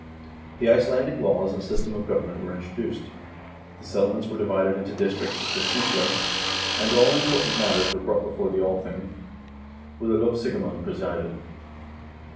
The Icelandic laws and system of government were introduced. The settle ments were divided into districts, or sysler, and all important matters were brought before the Althing, where the lovsigemand presided.